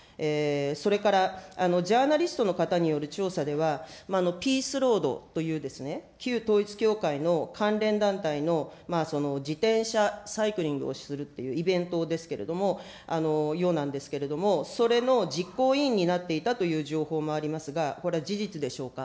それからジャーナリストの方による調査では、ピースロードという、旧統一教会の関連団体の自転車サイクリングをするというイベントですけれども、ようなんですけれども、それの実行委員にも情報もありますが、これは事実でしょうか。